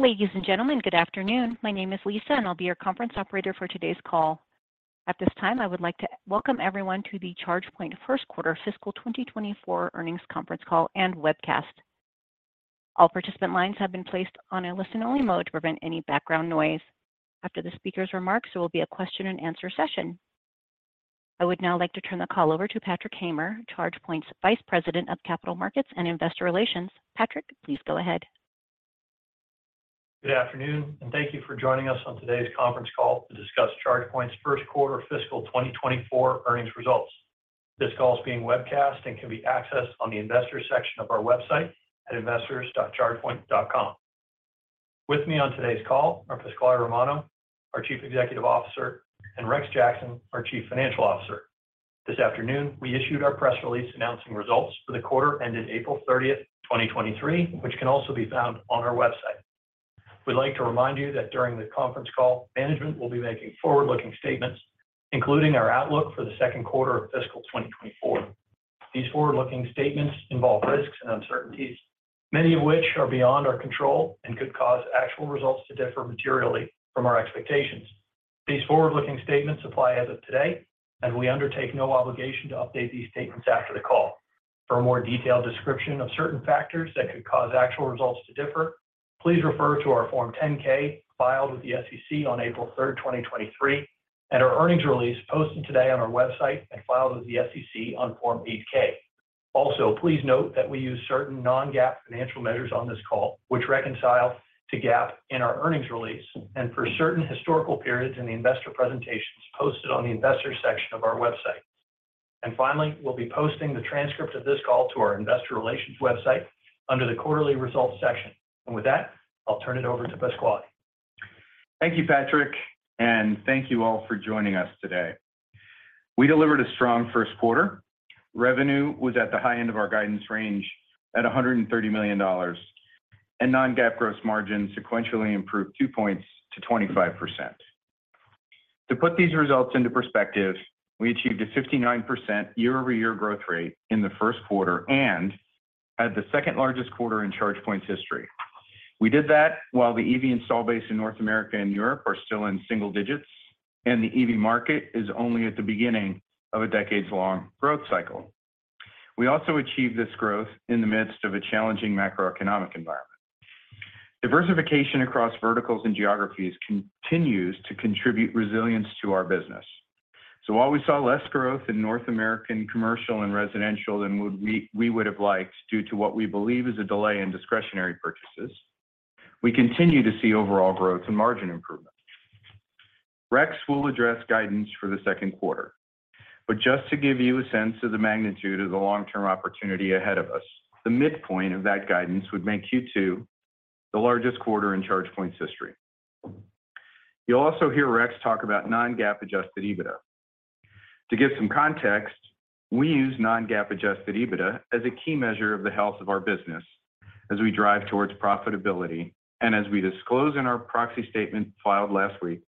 Ladies and gentlemen, good afternoon. My name is Lisa, and I'll be your conference operator for today's call. At this time, I would like to welcome everyone to the ChargePoint first quarter fiscal 2024 earnings conference call and webcast. All participant lines have been placed on a listen-only mode to prevent any background noise. After the speaker's remarks, there will be a question and answer session. I would now like to turn the call over to Patrick Hamer, ChargePoint's Vice President of Capital Markets and Investor Relations. Patrick, please go ahead. Good afternoon, and thank you for joining us on today's conference call to discuss ChargePoint's first quarter fiscal 2024 earnings results. This call is being webcast and can be accessed on the investor section of our website at investors.chargepoint.com. With me on today's call are Pasquale Romano, our Chief Executive Officer, and Rex Jackson, our Chief Financial Officer. This afternoon, we issued our press release announcing results for the quarter ended April 30, 2023, which can also be found on our website. We'd like to remind you that during the conference call, management will be making forward-looking statements, including our outlook for the second quarter of fiscal 2024. These forward-looking statements involve risks and uncertainties, many of which are beyond our control and could cause actual results to differ materially from our expectations. These forward-looking statements apply as of today, and we undertake no obligation to update these statements after the call. For a more detailed description of certain factors that could cause actual results to differ, please refer to our Form 10-K, filed with the SEC on April 3rd, 2023, and our earnings release posted today on our website and filed with the SEC on Form 8-K. Also, please note that we use certain non-GAAP financial measures on this call, which reconcile to GAAP in our earnings release and for certain historical periods in the investor presentations posted on the investor section of our website. Finally, we'll be posting the transcript of this call to our investor relations website under the Quarterly Results section. With that, I'll turn it over to Pasquale. Thank you, Patrick. Thank you all for joining us today. We delivered a strong first quarter. Revenue was at the high end of our guidance range at $130 million, and non-GAAP gross margin sequentially improved two points to 25%. To put these results into perspective, we achieved a 59% year-over-year growth rate in the first quarter and had the second-largest quarter in ChargePoint's history. We did that while the EV install base in North America and Europe are still in single-digits, and the EV market is only at the beginning of a decades-long growth cycle. We also achieved this growth in the midst of a challenging macroeconomic environment. Diversification across verticals and geographies continues to contribute resilience to our business. While we saw less growth in North American, commercial, and residential than we would have liked, due to what we believe is a delay in discretionary purchases, we continue to see overall growth and margin improvement. Rex will address guidance for the second quarter, but just to give you a sense of the magnitude of the long-term opportunity ahead of us, the midpoint of that guidance would make Q2 the largest quarter in ChargePoint's history. You'll also hear Rex talk about non-GAAP Adjusted EBITDA. To give some context, we use non-GAAP Adjusted EBITDA as a key measure of the health of our business as we drive towards profitability, and as we disclose in our proxy statement filed last week,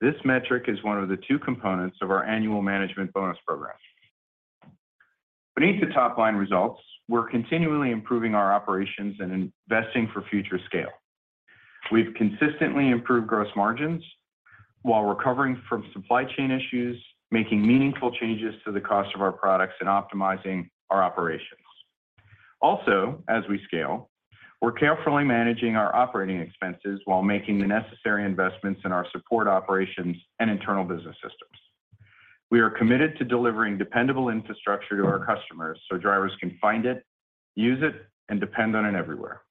this metric is one of the two components of our annual management bonus program. Beneath the top-line results, we're continually improving our operations and investing for future scale. We've consistently improved gross margins while recovering from supply chain issues, making meaningful changes to the cost of our products, and optimizing our operations. As we scale, we're carefully managing our operating expenses while making the necessary investments in our support operations and internal business systems. We are committed to delivering dependable infrastructure to our customers, so drivers can find it, use it, and depend on it everywhere.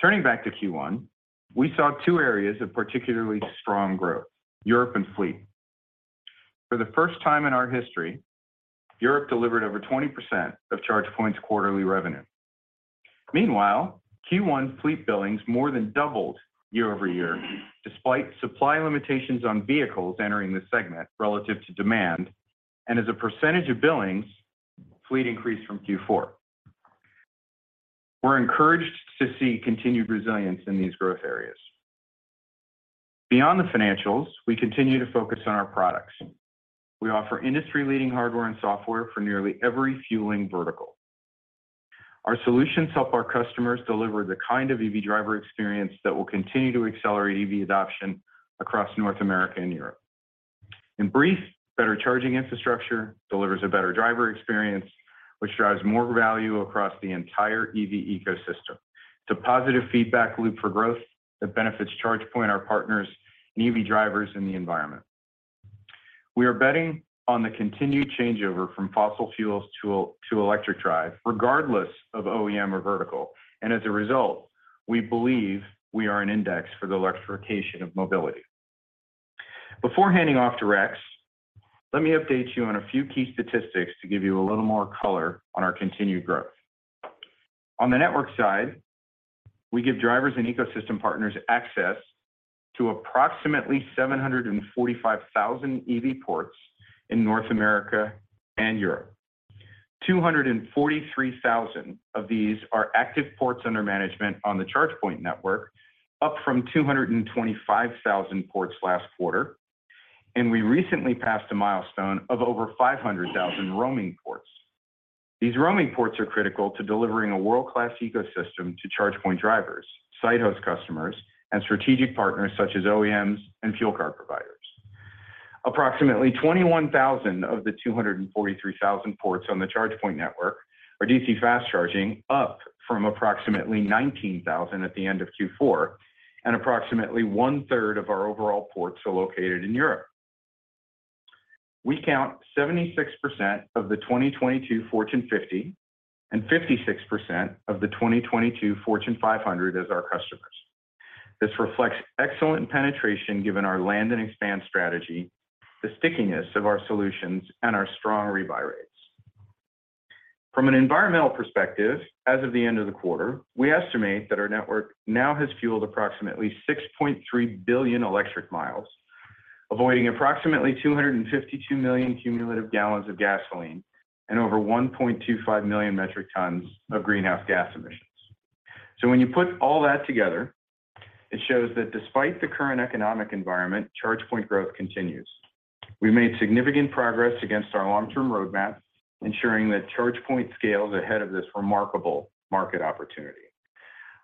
Turning back to Q1, we saw two areas of particularly strong growth: Europe and fleet. For the first time in our history, Europe delivered over 20% of ChargePoint's quarterly revenue. Meanwhile, Q1 fleet billings more than doubled year-over-year, despite supply limitations on vehicles entering the segment relative to demand, and as a % of billings, fleet increased from Q4. We're encouraged to see continued resilience in these growth areas. Beyond the financials, we continue to focus on our products. We offer industry-leading hardware and software for nearly every fueling vertical. Our solutions help our customers deliver the kind of EV driver experience that will continue to accelerate EV adoption across North America and Europe. In brief, a better charging infrastructure delivers a better driver experience, which drives more value across the entire EV ecosystem. It's a positive feedback loop for growth that benefits ChargePoint, our partners, and EV drivers in the environment. We are betting on the continued changeover from fossil fuels to electric drive, regardless of OEM or vertical. As a result, we believe we are an index for the electrification of mobility. Before handing off to Rex, let me update you on a few key statistics to give you a little more color on our continued growth. On the network side, we give drivers and ecosystem partners access to approximately 745,000 EV ports in North America and Europe. 243,000 of these are active ports under management on the ChargePoint network, up from 225,000 ports last quarter, and we recently passed a milestone of over 500,000 roaming ports. These roaming ports are critical to delivering a world-class ecosystem to ChargePoint drivers, site host customers, and strategic partners such as OEMs and fuel card providers. Approximately 21,000 of the 243,000 ports on the ChargePoint network are DC fast charging, up from approximately 19,000 at the end of Q4, and approximately 1/3 of our overall ports are located in Europe. We count 76% of the 2022 Fortune 50 and 56% of the 2022 Fortune 500 as our customers. This reflects excellent penetration, given our land and expansion strategy, the stickiness of our solutions, and our strong rebuy rates. From an environmental perspective, as of the end of the quarter, we estimate that our network has fueled approximately 6.3 billion electric miles, avoiding approximately 252 million cumulative gallons of gasoline and over 1.25 million metric tons of greenhouse gas emissions. When you put all that together, it shows that despite the current economic environment, ChargePoint's growth continues. We've made significant progress against our long-term roadmap, ensuring that ChargePoint scales ahead of this remarkable market opportunity.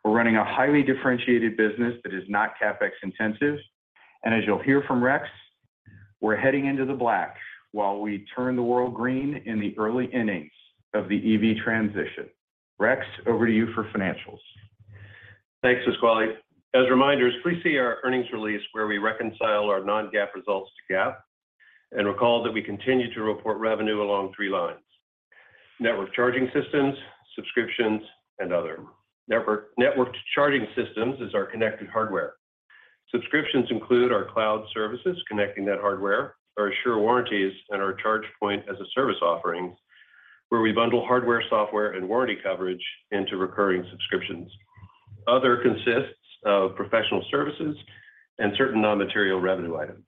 We're running a highly differentiated business that is not CapEx intensive. As you'll hear from Rex, we're heading into the black while we turn the world green in the early innings of the EV transition. Rex, over to you for financials. Thanks, Pasquale. As reminders, please see our earnings release, where we reconcile our non-GAAP results to GAAP. Recall that we continue to report revenue along three lines: network charging systems, subscriptions, and other. Networked charging systems is our connected hardware. Subscriptions include our cloud services, connecting that hardware, our Assure warranties, and our ChargePoint as a Service offerings, where we bundle hardware, software, and warranty coverage into recurring subscriptions. Other consists of professional services and certain non-material revenue items.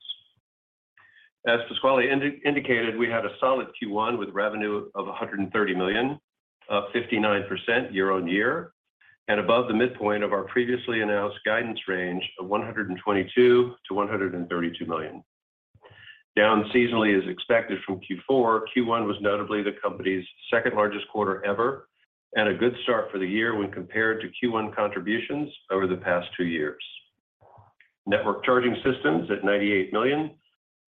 As Pasquale indicated, we had a solid Q1 with revenue of $130 million, up 59% year-on-year, above the midpoint of our previously announced guidance range of $122 million-$132 million. Down seasonally, as expected from Q4, Q1 was notably the company's second-largest quarter ever and a good start for the year when compared to Q1 contributions over the past two years. Network charging systems at $98 million,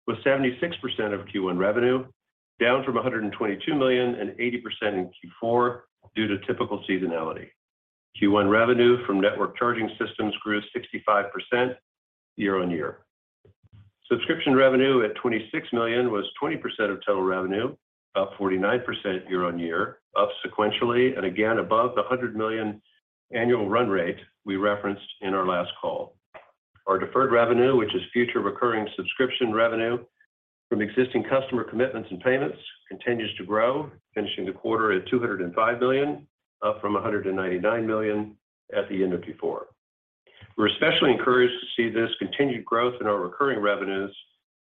with 76% of Q1 revenue, down from $122 million and 80% in Q4 due to typical seasonality. Q1 revenue from network charging systems grew 65% year-on-year. Subscription revenue at $26 million was 20% of total revenue, up 49% year-on-year, up sequentially and again above the $100 million annual run rate we referenced in our last call. Our deferred revenue, which is future recurring subscription revenue from existing customer commitments and payments, continues to grow, finishing the quarter at $205 million, up from $199 million at the end of Q4. We're especially encouraged to see this continued growth in our recurring revenues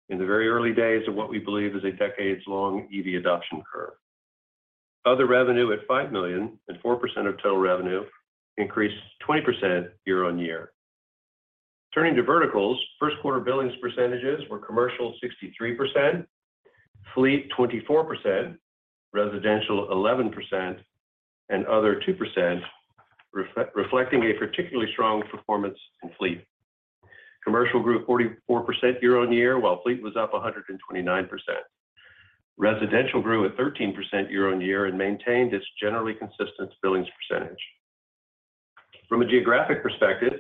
in the very early days of what we believe is a decades-long EV adoption curve. Other revenue at $5 million and 4% of total revenue increased 20% year-over-year. Turning to verticals, first quarter billings percentages were commercial, 63%, fleet, 24%, residential, 11%, and other, 2%, reflecting a particularly strong performance in fleet. Commercial grew 44% year-over-year, while fleet was up 129%. Residential grew at 13% year-over-year and maintained its generally consistent billings percentage. From a geographic perspective,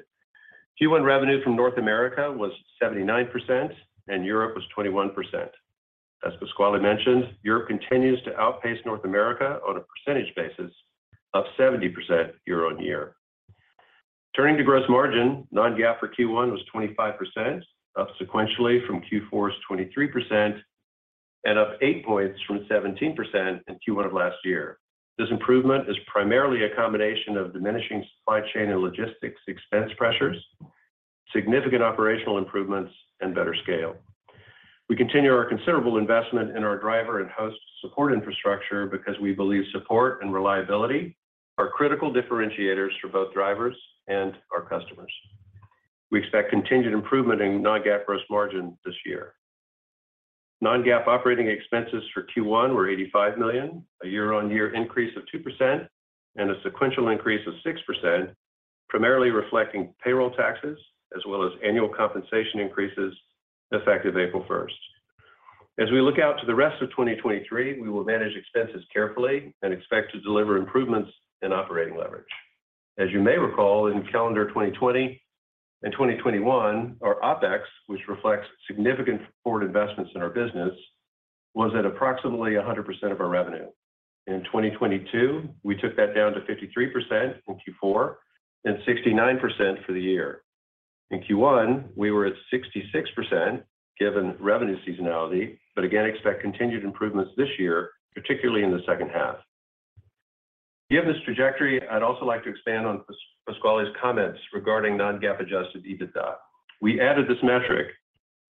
Q1 revenue from North America was 79% and Europe was 21%. As Pasquale mentioned, Europe continues to outpace North America on a percentage basis, up 70% year-over-year. Turning to gross margin, non-GAAP for Q1 was 25%, up sequentially from Q4's 23% and up 8 points from 17% in Q1 of last year. This improvement is primarily a combination of diminishing supply chain and logistics expense pressures, significant operational improvements, and better scale. We continue our considerable investment in our driver and host support infrastructure because we believe support and reliability are critical differentiators for both drivers and our customers. We expect continued improvement in non-GAAP gross margin this year. Non-GAAP operating expenses for Q1 were $85 million, a year-on-year increase of 2% and a sequential increase of 6%, primarily reflecting payroll taxes as well as annual compensation increases effective April first. As we look out to the rest of 2023, we will manage expenses carefully and expect to deliver improvements in operating leverage. As you may recall, in calendar 2020 and 2021, our OpEx, which reflects significant forward investments in our business, was at approximately 100% of our revenue. In 2022, we took that down to 53% in Q4 and 69% for the year. In Q1, we were at 66%, given revenue seasonality, but again, expect continued improvements this year, particularly in the second half. Given this trajectory, I'd also like to expand on Pasquale's comments regarding non-GAAP Adjusted EBITDA. We added this metric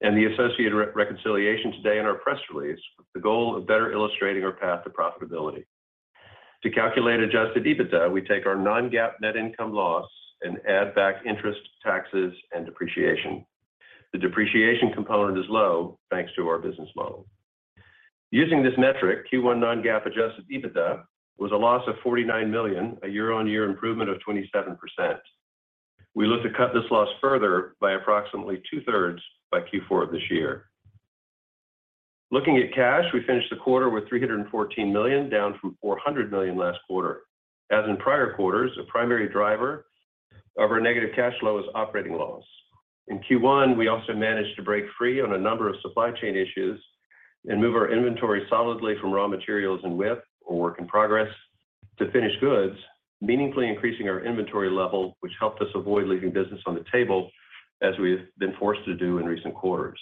and the associated reconciliation today in our press release, with the goal of better illustrating our path to profitability. To calculate Adjusted EBITDA, we take our non-GAAP net income loss and add back interest, taxes, and depreciation. The depreciation component is low, thanks to our business model. Using this metric, Q1 non-GAAP Adjusted EBITDA was a loss of $49 million, a year-on-year improvement of 27%. We look to cut this loss further by approximately two-thirds by Q4 this year. Looking at cash, we finished the quarter with $314 million, down from $400 million last quarter. As in prior quarters, the primary driver of our negative cash flow is operating loss. In Q1, we also managed to break free from a number of supply chain issues and move our inventory solidly from raw materials and WIP, or work in progress, to finished goods, meaningfully increasing our inventory level, which helped us avoid leaving business on the table as we've been forced to do in recent quarters.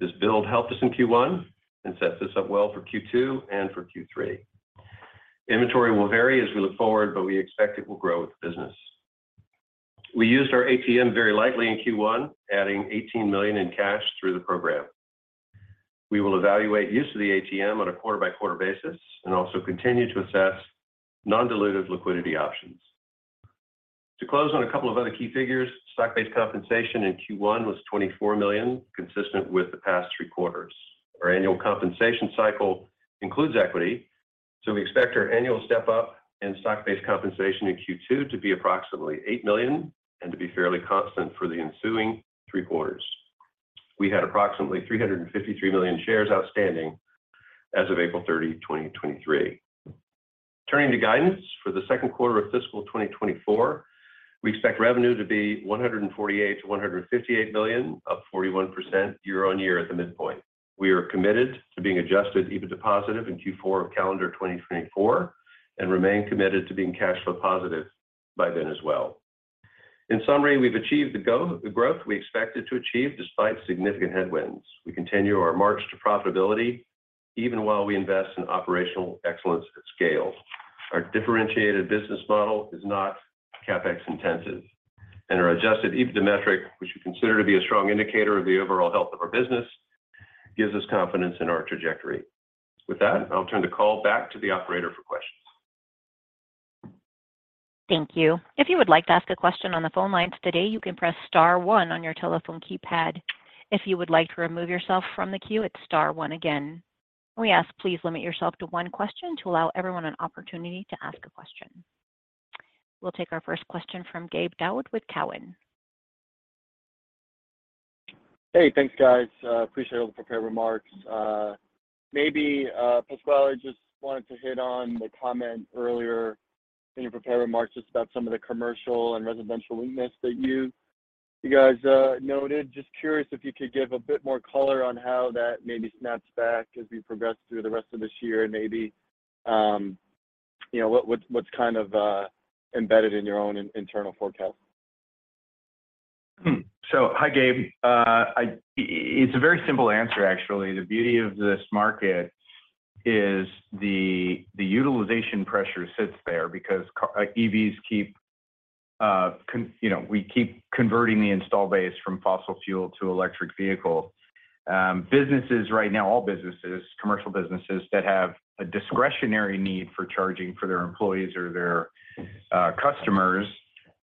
This build helped us in Q1 and sets us up well for Q2 and Q3. Inventory will vary as we look forward, but we expect it will grow with business. We used our ATM very lightly in Q1, adding $18 million in cash through the program. We will evaluate the use of the ATM on a quarter-by-quarter basis and also continue to assess non-dilutive liquidity options. To close on a couple of other key figures, stock-based compensation in Q1 was $24 million, consistent with the past three quarters. Our annual compensation cycle includes equity. We expect our annual step-up in stock-based compensation in Q2 to be approximately $8 million and to be fairly constant for the ensuing three quarters. We had approximately 353 million shares outstanding as of April 30, 2023. Turning to guidance for the second quarter of fiscal 2024, we expect revenue to be $148 million-$158 million, up 41% year-on-year at the midpoint. Remain committed to being Adjusted EBITDA positive in Q4 of calendar 2024, and remain committed to being cash flow positive by then as well. In summary, we've achieved the growth we expected to achieve despite significant headwinds. We continue our march to profitability even while we invest in operational excellence at scale. Our differentiated business model is not CapEx intensive. Our Adjusted EBITDA metric, which we consider to be a strong indicator of the overall health of our business, gives us confidence in our trajectory. With that, I'll turn the call back to the operator for questions. Thank you. If you would like to ask a question on the phone lines today, you can press star one on your telephone keypad. If you would like to remove yourself from the queue, it's star one again. We ask, please limit yourself to one question to allow everyone an opportunity to ask a question. We'll take our first question from Gabe Daoud with Cowen. Hey, thanks, guys. Appreciate all the prepared remarks. Maybe, Pasquale, I just wanted to hit on the comment earlier in your prepared remarks, just about some of the commercial and residential weakness that you guys, noted. Just curious if you could give a bit more color on how that maybe snaps back as we progress through the rest of this year, and maybe, you know, what's kind of embedded in your own internal forecast? Hi, Gabe. It's a very simple answer, actually. The beauty of this market is that the utilization pressure sits there because EVs keep, you know, we keep converting the install base from fossil fuel to electric vehicle. Businesses right now, all businesses, commercial businesses that have a discretionary need for charging for their employees or their customers,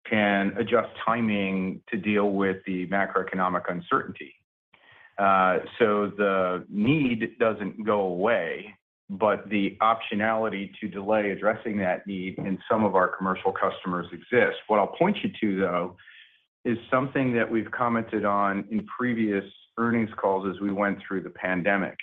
can adjust timing to deal with the macroeconomic uncertainty. The need doesn't go away, but the optionality to delay addressing that need in some of our commercial customers exists. What I'll point you to, though, is something that we've commented on in previous earnings calls as we went through the pandemic.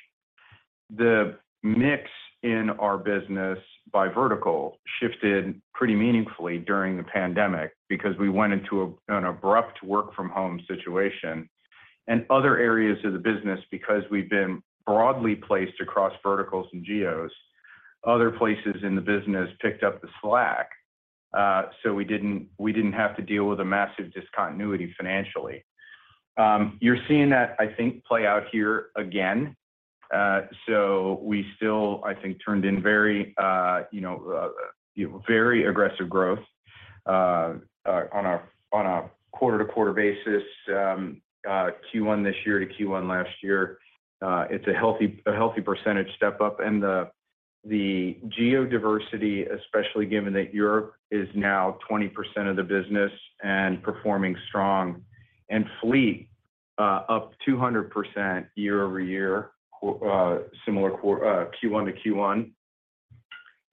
The mix in our business by vertical shifted pretty meaningfully during the pandemic because we went into an abrupt work-from-home situation. Other areas of the business, because we've been broadly placed across verticals and geos, other places in the business picked up the slack, so we didn't have to deal with a massive discontinuity financially. You're seeing that, I think, play out here again. We still, I think, turned in very aggressive growth on a quarter-to-quarter basis. Q1 this year to Q1 last year, it's a healthy, a healthy percentage step up. The geodiversity, especially given that Europe is now 20% of the business and is performing strongly. Fleet up 200% year-over-year, similar quarter, Q1 to Q1.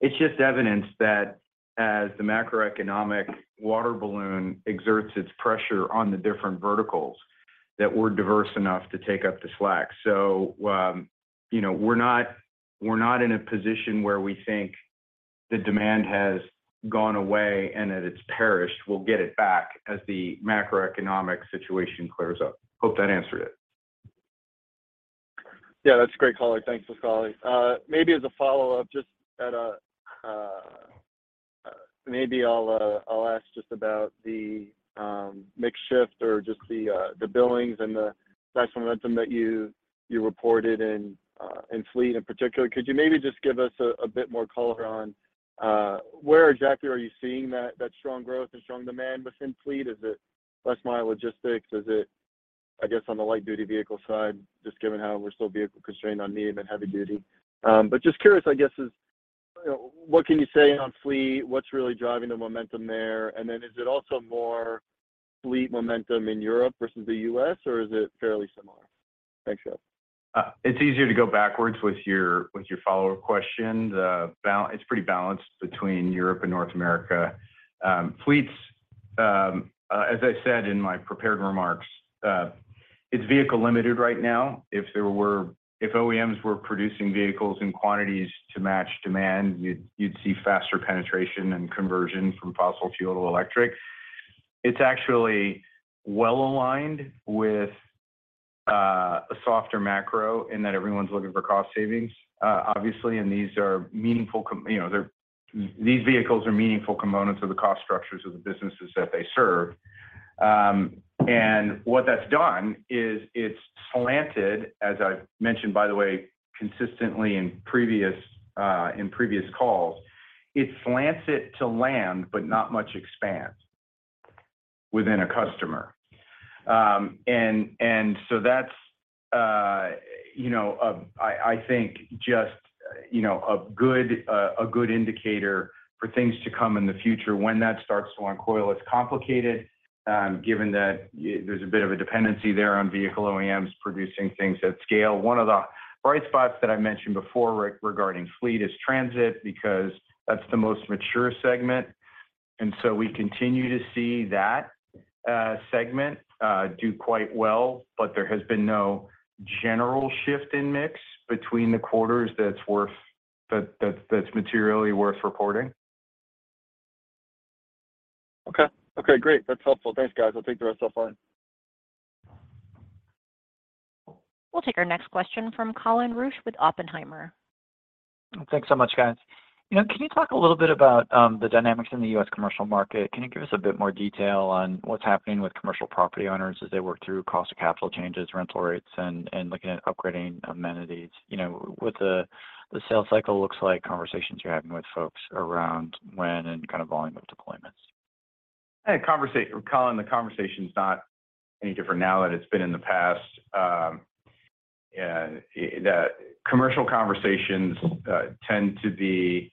It's just evidence that as the macroeconomic water balloon exerts its pressure on the different verticals, that we're diverse enough to take up the slack. You know, we're not, we're not in a position where we think the demand has gone away and that it's perished. We'll get it back as the macroeconomic situation clears up. Hope that answered it. Yeah, that's great, Pas. Thanks, Pasquale. Maybe as a follow-up, just about the mix shift or just the billings and the price momentum that you reported in fleet in particular. Could you maybe just give us a bit more color on where exactly you are seeing that strong growth and strong demand within the fleet? Is it last-mile logistics? Is it, I guess, on the light-duty vehicle side, just given how we're still vehicle-constrained on medium and heavy duty? But just curious, I guess, what can you say on fleet? What's really driving the momentum there? Is it also more fleet momentum in Europe versus the US, or is it fairly similar? Thanks, Gabe. It's easier to go backwards with your follow-up question. It's pretty balanced between Europe and North America. Fleets, as I said in my prepared remarks, it's vehicle-limited right now. If OEMs were producing vehicles in quantities to match demand, you'd see faster penetration and conversion from fossil fuel to electric. It's actually well aligned with a softer macro in that everyone's looking for cost savings. Obviously, and these are meaningful, you know, these vehicles are meaningful components of the cost structures of the businesses that they serve. What that's done is it's slanted, as I've mentioned, by the way, consistently in previous, in previous calls, it slants it to land, but not much expanse within a customer. That's, you know, I think just, you know, a good indicator for things to come in the future when that starts to uncoil. It's complicated, given that there's a bit of a dependency there on vehicle OEMs producing things at scale. One of the bright spots that I mentioned before regarding fleet is transit, because that's the most mature segment. We continue to see that segment do quite well. There has been no general shift in mix between the quarters that's materially worth reporting. Okay, great. That's helpful. Thanks, guys. I'll take the rest offline. We'll take our next question from Colin Rusch with Oppenheimer. Thanks so much, guys. You know, can you talk a little bit about the dynamics in the U.S. commercial market? Can you give us a bit more detail on what's happening with commercial property owners as they work through cost of capital changes, rental rates, and looking at upgrading amenities? You know, what the sales cycle looks like, conversations you're having with folks around when and kind of volume of deployments. Hey, Colin, the conversation's not any different now than it's been in the past. The commercial conversations tend to be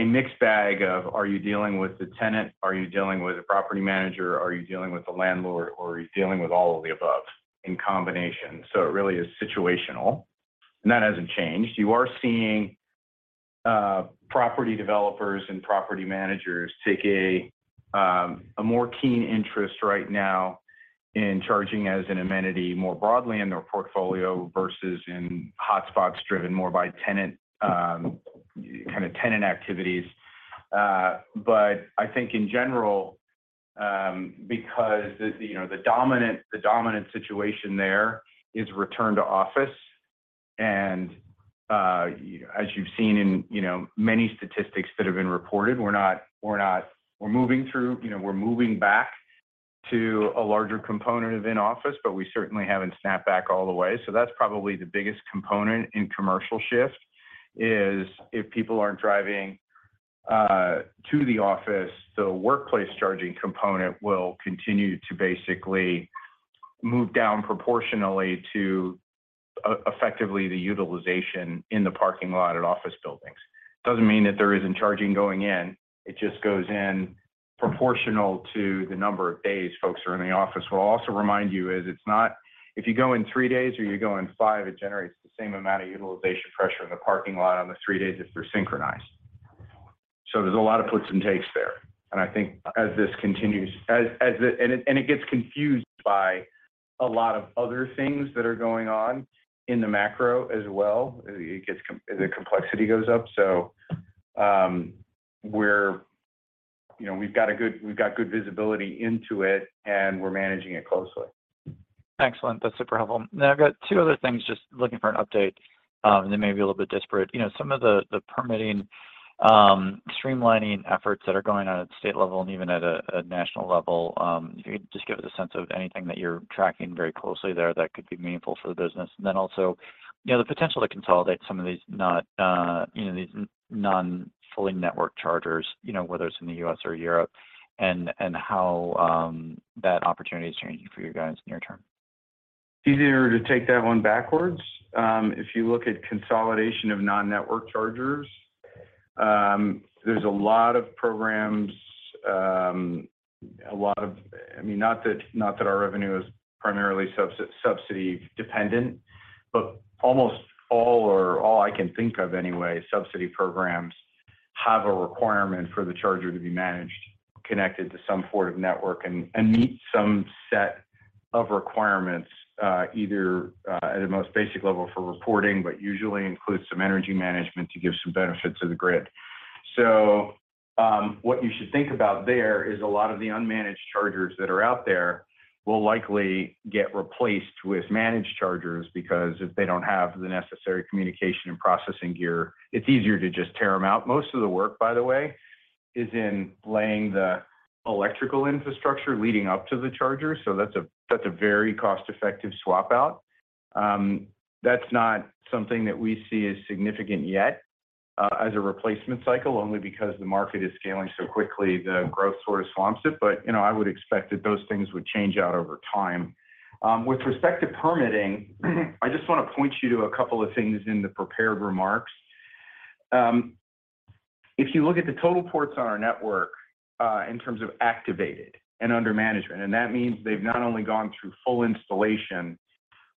a mixed bag of: Are you dealing with the tenant? Are you dealing with a property manager? Are you dealing with the landlord, or are you dealing with all of the above in combination? It really is situational, and that hasn't changed. You are seeing property developers and property managers take a more keen interest right now in charging as an amenity more broadly in their portfolio versus in hotspots driven more by tenant, kind of tenant activities. I think in general, because the, you know, the dominant situation there is return to office. As you've seen in, you know, many statistics that have been reported, we're moving back to a larger component of in-office, but we certainly haven't snapped back all the way. That's probably the biggest component in commercial shift, is if people aren't driving to the office, the workplace charging component will continue to basically move down proportionally to effectively the utilization in the parking lot at office buildings. Doesn't mean that there isn't charging going in, it just goes in proportional to the number of days folks are in the office. We'll also remind you, if you go in three days or you go in five, it generates the same amount of utilization pressure in the parking lot on the three days if they're synchronized. There's a lot of puts and takes there. I think as this continues, as it gets confused by a lot of other things that are going on in the macro as well. The complexity goes up. You know, we've got good visibility into it, and we're managing it closely. Excellent. That's super helpful. I've got two other things, just looking for an update, they may be a little bit disparate. You know, some of the permitting, streamlining efforts that are going on at state level and even at a national level, if you could just give us a sense of anything that you're tracking very closely there that could be meaningful for the business, and also, you know, the potential to consolidate some of these not, you know, these non-fully networked chargers, you know, whether it's in the U.S. or Europe, and how that opportunity is changing for you guys near term? Easier to take that one backwards. If you look at consolidation of non-network chargers, there's a lot of programs, I mean, not that, not that our revenue is primarily subsidy dependent, but almost all or all I can think of anyway, subsidy programs have a requirement for the charger to be managed, connected to some sort of network and meet some set of requirements, either, at a most basic level for reporting, but usually includes some energy management to give some benefit to the grid. What you should think about there is a lot of the unmanaged chargers that are out there will likely get replaced with managed chargers, because if they don't have the necessary communication and processing gear, it's easier to just tear them out. Most of the work, by the way, is in laying the electrical infrastructure leading up to the charger. That's a, that's a very cost-effective swap out. That's not something that we see as significant yet as a replacement cycle, only because the market is scaling so quickly, the growth sort of swamps it. You know, I would expect that those things would change out over time. With respect to permitting, I just want to point you to a couple of things in the prepared remarks. If you look at the total ports on our network in terms of activated and under management, and that means they've not only gone through full installation,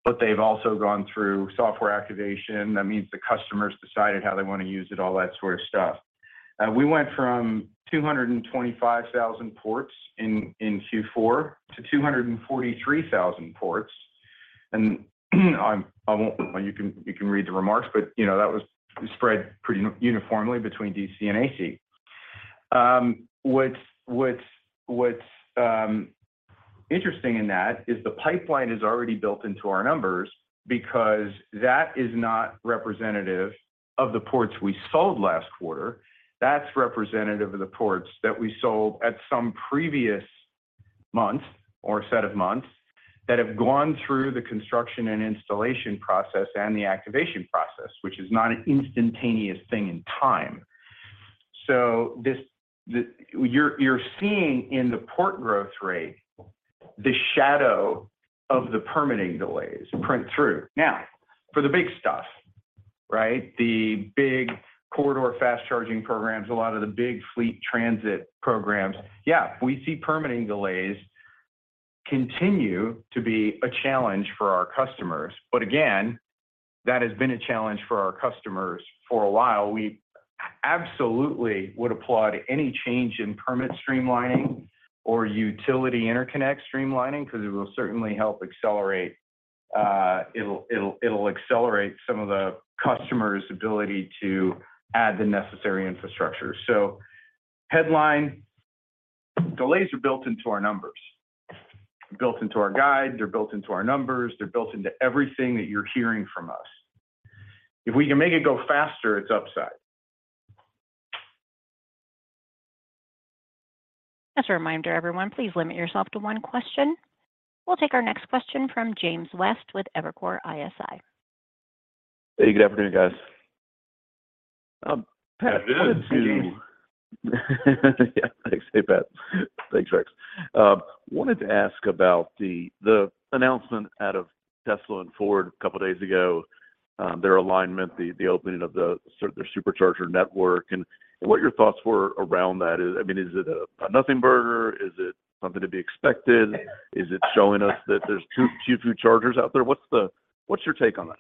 but they've also gone through software activation. That means the customer's decided how they want to use it, all that sort of stuff. We went from 225,000 ports in Q4 to 243,000 ports. You can read the remarks, but, you know, that was spread pretty uniformly between DC and AC. What's interesting in that is the pipeline is already built into our numbers because that is not representative of the ports we sold last quarter. That's representative of the ports that we sold at some previous month or set of months that have gone through the construction and installation process and the activation process, which is not an instantaneous thing in time. You're seeing in the port growth rate, the shadow of the permitting delays print through. For the big stuff, right? The big corridor fast charging programs, a lot of the big fleet transit programs. Yeah, we see permitting delays continue to be a challenge for our customers, but again, that has been a challenge for our customers for a while. We absolutely would applaud any change in permit streamlining or utility interconnect streamlining, 'cause it will certainly help accelerate, it'll accelerate some of the customer's ability to add the necessary infrastructure. Headline, delays are built into our numbers, built into our guides, they're built into our numbers, they're built into everything that you're hearing from us. If we can make it go faster, it's upside. Just a reminder, everyone, please limit yourself to one question. We'll take our next question from James West with Evercore ISI. Hey, good afternoon, guys. Pas, good to Yeah, thanks. Hey, Pas. Thanks, Rex. wanted to ask about the announcement out of Tesla and Ford a couple of days ago, their alignment, the opening of the sort of their Supercharger network, and what your thoughts were around that? Is, I mean, is it a nothing burger? Is it something to be expected? Is it showing us that there's too few chargers out there? What's your take on that?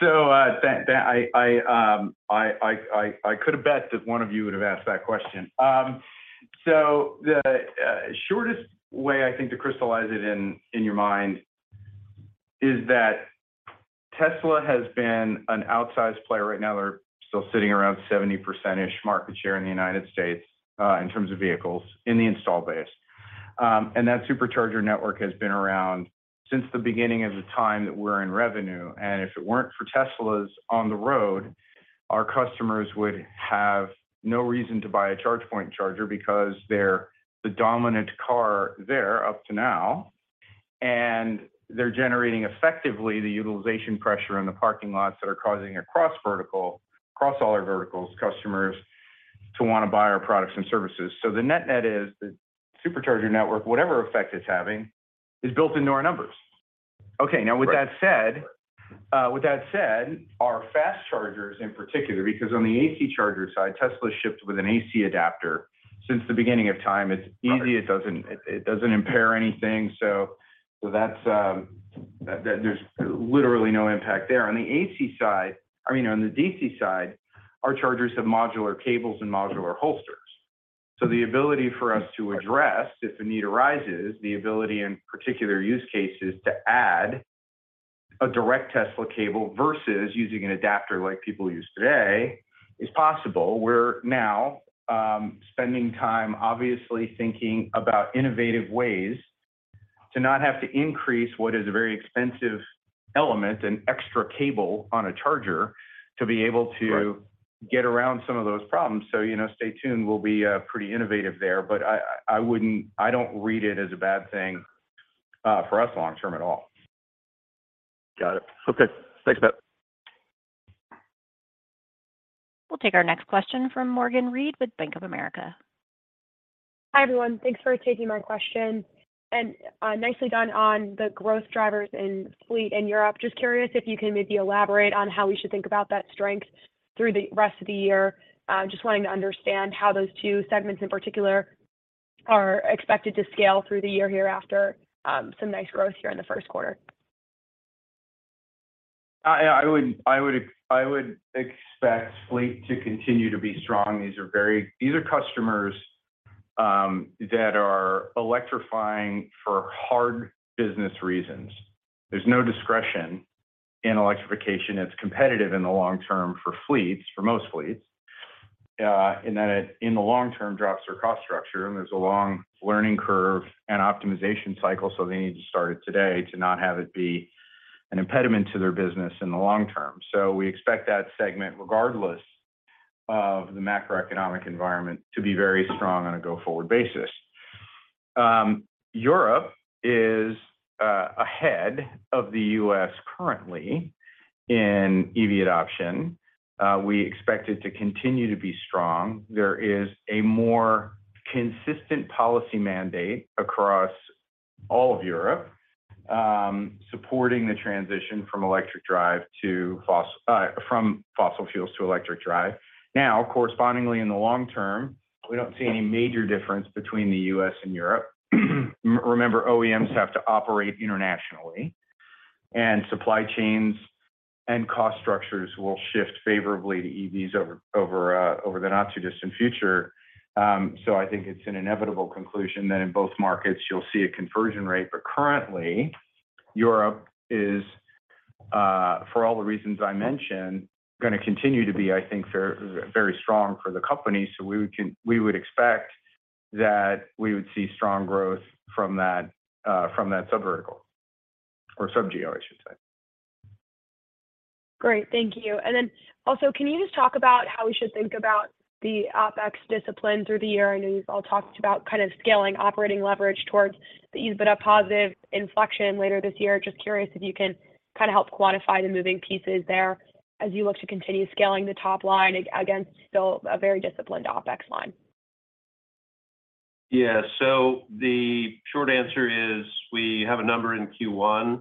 That I could have bet that one of you would have asked that question. The shortest way I think to crystallize it in your mind is that Tesla has been an outsized player. Right now, they're still sitting around 70% market share in the United States in terms of vehicles in the install base. That Supercharger network has been around since the beginning of the time that we're in revenue, and if it weren't for Tesla on the road, our customers would have no reason to buy a ChargePoint charger because they're the dominant car there up to now, and they're generating effectively the utilization pressure in the parking lots that are causing across all our verticals, customers to want to buy our products and services. The net-net is, the Supercharger network, whatever effect it's having, is built into our numbers. Now with that said, with that said, our fast chargers in particular, because on the AC charger side, Tesla shipped with an AC adapter since the beginning of time. It's easy, it doesn't impair anything, so that's that there's literally no impact there. On the AC side, I mean, on the DC side, our chargers have modular cables and modular holsters. The ability for us to address, if the need arises, the ability in particular use cases, to add a direct Tesla cable versus using an adapter like people use today, is possible. We're now spending time obviously thinking about innovative ways to not have to increase what is a very expensive element, an extra cable on a charger, to be able to. Right Get around some of those problems. You know, stay tuned. We'll be pretty innovative there, but I don't read it as a bad thing for us long term at all. Got it. Okay. Thanks, Pas. We'll take our next question from Morgan Reid with Bank of America. Hi, everyone. Thanks for taking my question. Nicely done on the growth drivers in fleet in Europe. Just curious if you can maybe elaborate on how we should think about that strength through the rest of the year. Just wanting to understand how those two segments in particular are expected to scale through the year hereafter, some nice growth here in the first quarter. I would expect fleet to continue to be strong. These are very, these are customers that are electrifying for hard business reasons. There's no discretion in electrification. It's competitive in the long term for fleets, for most fleets, and then it, in the long term, drops their cost structure, and there's a long learning curve and optimization cycle, so they need to start it today to not have it be an impediment to their business in the long term. We expect that segment, regardless of the macroeconomic environment, to be very strong on a go-forward basis. Europe is ahead of the U.S. currently in EV adoption. We expect it to continue to be strong. There is a more consistent policy mandate across all of Europe, supporting the transition from electric drive to from fossil fuels to electric drive. Correspondingly, in the long term, we don't see any major difference between the U.S. and Europe. Remember, OEMs have to operate internationally, and supply chains and cost structures will shift favorably to EVs over the not-too-distant future. I think it's an inevitable conclusion that in both markets you'll see a conversion rate. Currently, Europe is, for all the reasons I mentioned, gonna continue to be, I think, very, very strong for the company. We would expect that we would see strong growth from that from that subvertical or sub-geo, I should say. Great. Thank you. Then also, can you just talk about how we should think about the OpEx discipline through the year? I know you've all talked about kind of scaling operating leverage towards the EBITDA positive inflection later this year. Just curious if you can kinda help quantify the moving pieces there as you look to continue scaling the top line, against still a very disciplined OpEx line. The short answer is we have a number in Q1,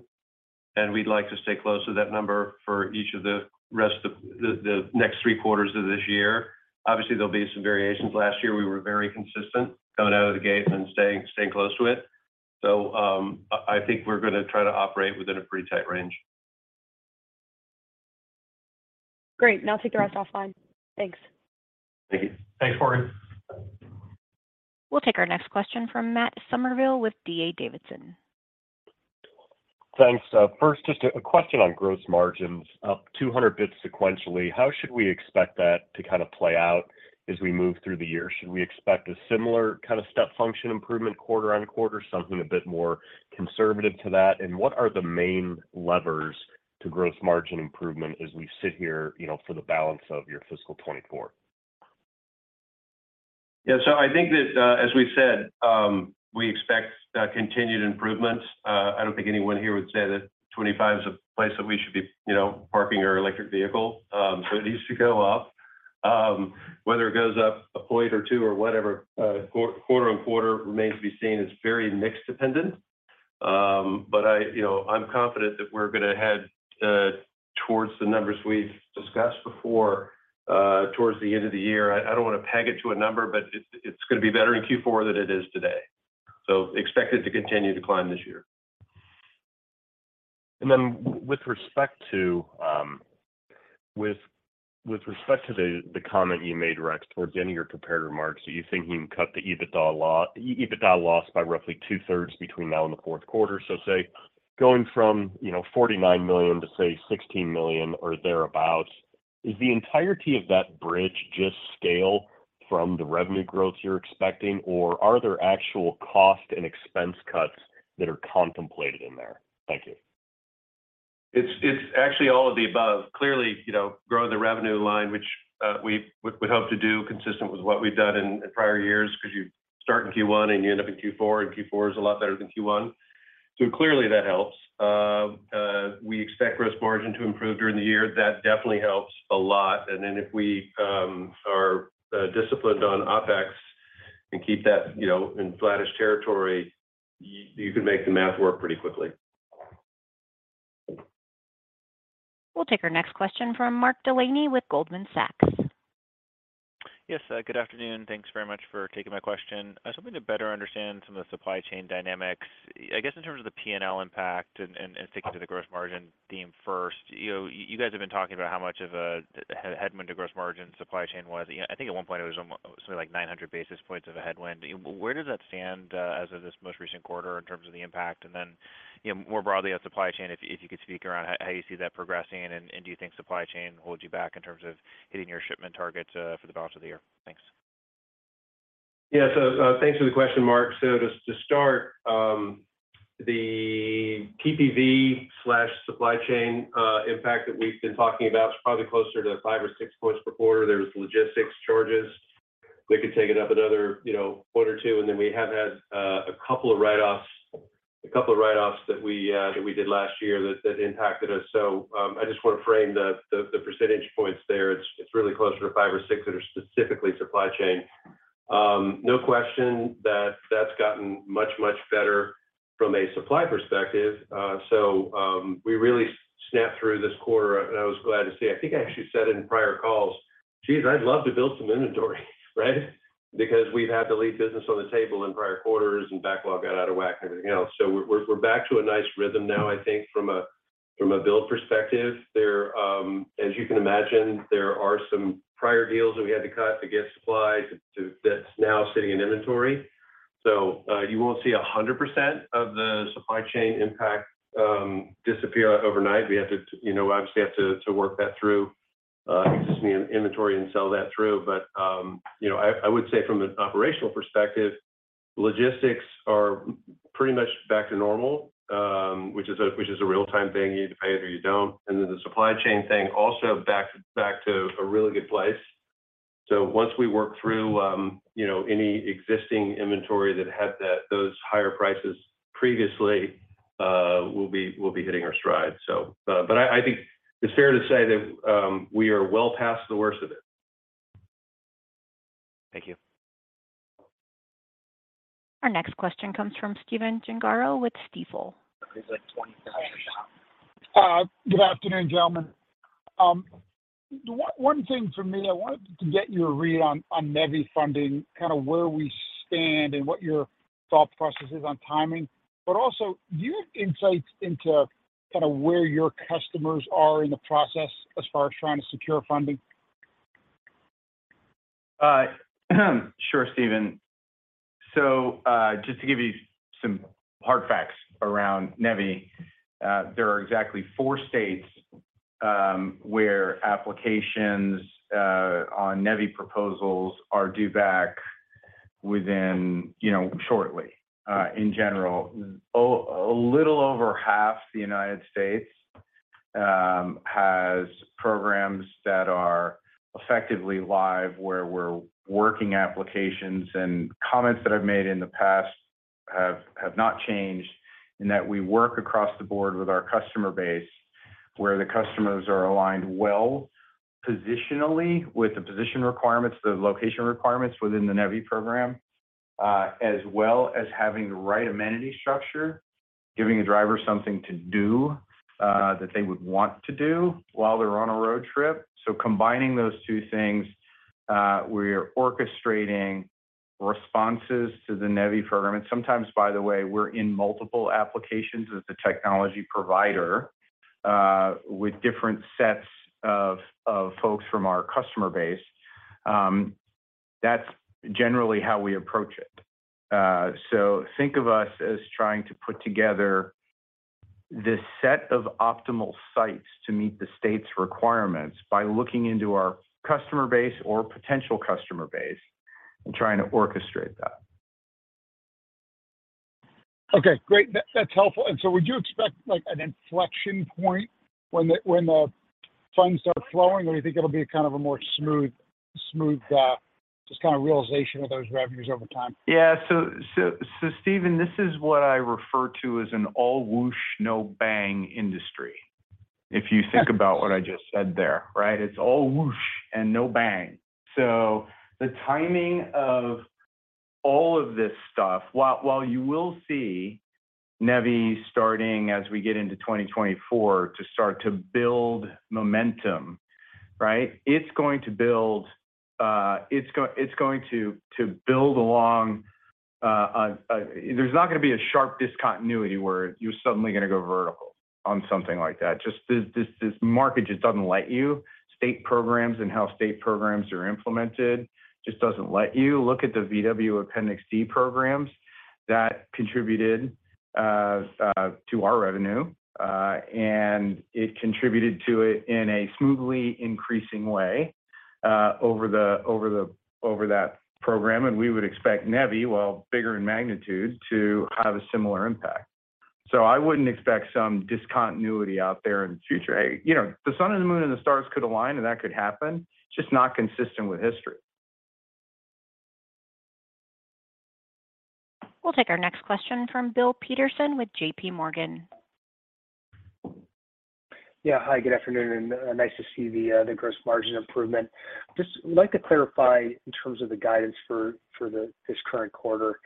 and we'd like to stay close to that number for each of the rest of the next three quarters of this year. Obviously, there'll be some variations. Last year, we were very consistent coming out of the gate and staying close to it. I think we're gonna try to operate within a pretty tight range. Great. I'll take the rest offline. Thanks. Thank you. Thanks, Morgan. We'll take our next question from Matt Summerville with D.A. Davidson. Thanks. First, just a question on gross margins, up 200 basis points sequentially. How should we expect that to kind of play out as we move through the year? Should we expect a similar kind of step function improvement quarter on quarter, something a bit more conservative to that? What are the main levers to gross margin improvement as we sit here, you know, for the balance of your fiscal 2024? I think that, as we've said, we expect continued improvements. I don't think anyone here would say that 25 is a place that we should be, you know, parking our electric vehicle. It needs to go up. Whether it goes up a point or two or whatever, quarter-on-quarter remains to be seen. It's very mixed dependent. I, you know, I'm confident that we're gonna head towards the numbers we've discussed before, towards the end of the year. I don't wanna peg it to a number, but it's gonna be better in Q4 than it is today. Expect it to continue to climb this year. With respect to the comment you made, Rex, towards the end of your prepared remarks, you think you can cut the EBITDA loss by roughly two-thirds between now and the fourth quarter. Say, going from, you know, $49 million to, say, $16 million or thereabout, is the entirety of that bridge just scale from the revenue growth you're expecting, or are there actual cost and expense cuts that are contemplated in there? Thank you. It's actually all of the above. Clearly, you know, grow the revenue line, which we hope to do consistent with what we've done in prior years, 'cause you start in Q1 and you end up in Q4, and Q4 is a lot better than Q1. Clearly, that helps. We expect gross margin to improve during the year. That definitely helps a lot. If we are disciplined on OpEx and keep that, you know, in flattish territory, you can make the math work pretty quickly. We'll take our next question from Mark Delaney with Goldman Sachs. Yes. Good afternoon. Thanks very much for taking my question. Something to better understand some of the supply chain dynamics. I guess in terms of the P&L impact and sticking to the gross margin theme first, you know, you guys have been talking about how much of a headwind the gross margin supply chain was. You know, I think at one point, it was sort of like 900 basis points of a headwind. Where does that stand as of this most recent quarter in terms of the impact? Then, you know, more broadly on supply chain, if you could speak around how you see that progressing, and do you think supply chain holds you back in terms of hitting your shipment targets for the balance of the year? Thanks. Thanks for the question, Mark. To start, the PPV/supply chain impact that we've been talking about is probably closer to five or six points per quarter. There's logistics charges. We could take it up another, you know, point or two, then we have had a couple of write-offs that we did last year that impacted us. I just wanna frame the percentage points there. It's really closer to five or six that are specifically supply chain. No question that that's gotten much better from a supply perspective. We really snapped through this quarter, and I was glad to see. I think I actually said in prior calls, "Geez, I'd love to build some inventory," right? We've had to leave business on the table in prior quarters, and backlog got out of whack and everything else. We're back to a nice rhythm now, I think, from a build perspective. There, as you can imagine, there are some prior deals that we had to cut to get the supply to that's now sitting in inventory. You won't see 100% of the supply chain impact disappear overnight. We have to, you know, obviously have to work that through existing inventory and sell that through. You know, I would say from an operational perspective, logistics are pretty much back to normal, which is a, which is a real-time thing. You either pay it or you don't. The supply chain thing also back to a really good place. Once we work through, you know, any existing inventory that had those higher prices previously, we'll be hitting our stride. I think it's fair to say that we are well past the worst of it. Thank you. Our next question comes from Stephen Gengaro with Stifel. Good afternoon, gentlemen. The one thing for me, I wanted to get your read on NEVI funding, kind of where we stand, and what your thought process is on timing, but also your insights into kind of where your customers are in the process as far as trying to secure funding. Sure, Steven. Just to give you some hard facts around NEVI, there are exactly four states where applications on NEVI proposals are due back within, you know, shortly. In general, a little over half the United States has programs that are effectively live, where we're working applications. Comments that I've made in the past have not changed, in that we work across the board with our customer base, where the customers are aligned well positionally with the position requirements, the location requirements within the NEVI program, as well as having the right amenity structure, giving the driver something to do that they would want to do while they're on a road trip. Combining those two things, we're orchestrating responses to the NEVI program. Sometimes, by the way, we're in multiple applications as a technology provider, with different sets of folks from our customer base. That's generally how we approach it. Think of us as trying to put together this set of optimal sites to meet the state's requirements by looking into our customer base or potential customer base and trying to orchestrate that. Okay, great. That's helpful. Would you expect, like, an inflection point when the funds start flowing, or do you think it'll be kind of a more smoother, just kind of realization of those revenues over time? Yeah. Stephen, this is what I refer to as an all whoosh, no bang industry. If you think about what I just said there, right? It's all whoosh and no bang. The timing of all of this stuff, while you will see NEVI starting as we get into 2024 to start to build momentum, right? It's going to build, it's going to build along. There's not going to be a sharp discontinuity where you're suddenly going to go vertical on something like that. Just this market just doesn't let you. State programs and how state programs are implemented just don't let you. Look at the VW Appendix C programs that contributed to our revenue, and it contributed to it in a smoothly increasing way, over the period that program. We would expect NEVI, while bigger in magnitude, to have a similar impact. I wouldn't expect some discontinuity out there in the future. Hey, you know, the sun and the moon and the stars could align, and that could happen. It's just not consistent with history. We'll take our next question from Bill Peterson with JPMorgan. Yeah. Hi, good afternoon, nice to see the gross margin improvement. Just like to clarify in terms of the guidance for this current quarter.